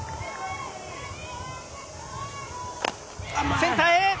センターへ。